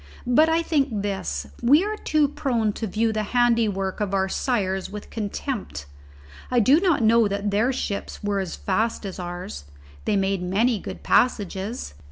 But I think this: we are too prone to view the handiwork of our sires with contempt. I do not know but that their ships were as fast as ours. They made many good passages.